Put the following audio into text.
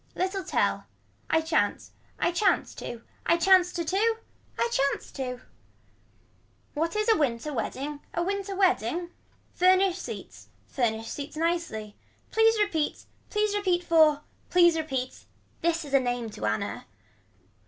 Little tell. I chance. I chance to. I chance to to. I chance to. What is a winter wedding a winter wedding. Furnish seats. Furnish seats nicely. Please repeat. Please repeat for. Please repeat. This is a name to Anna.